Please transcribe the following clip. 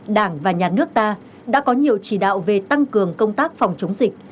đảng và nhà nước ta đã có nhiều chỉ đạo về tăng cường công tác phòng chống dịch